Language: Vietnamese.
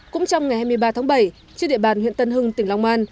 cũng trong ngày hai mươi ba tháng bảy trên địa bàn huyện tân hưng tỉnh long an